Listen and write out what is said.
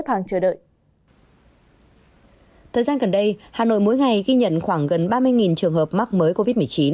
các bạn có thể nhận khoảng gần ba mươi trường hợp mắc mới covid một mươi chín